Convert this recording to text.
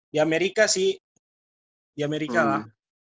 di amerika sih di amerika lah